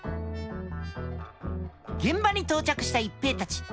現場に到着した一平たち。